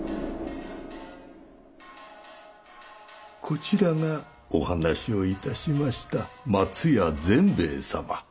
こちらがお話を致しました松屋善兵衛様。